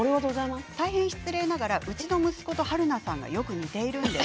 大変失礼ながら、うちの息子と春菜さんがよく似ているんです。